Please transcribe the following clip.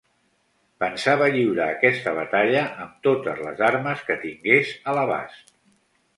Pensava lliurar aquesta batalla amb totes les armes que tingués a l'abast.